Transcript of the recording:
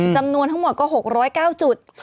จำนวนทั้งหมดก็๖๐๙จุด